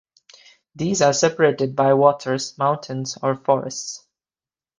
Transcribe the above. These are separated by waters, mountains or forests.